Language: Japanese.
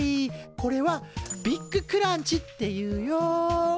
これはビッグクランチっていうよ。